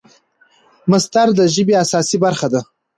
مصدر د ژبي اساسي برخه ده.